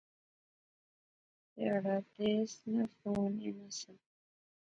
تہاڑیا تسیں ناں فون ایناں سا